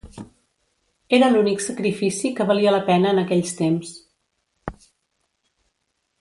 Era l'únic sacrifici que valia la pena en aquells temps.